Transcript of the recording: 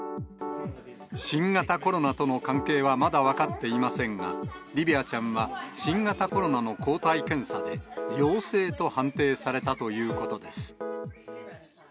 新型コロナとの関係はまだ分かっていませんが、リヴィアちゃんは、新型コロナの抗体検査で陽性と判定されたということです。